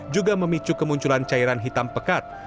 juga memicu kemunculan cairan hitam pekat